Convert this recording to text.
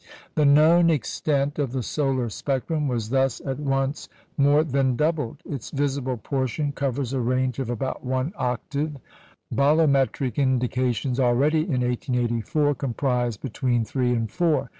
The known extent of the solar spectrum was thus at once more than doubled. Its visible portion covers a range of about one octave; bolometric indications already in 1884 comprised between three and four.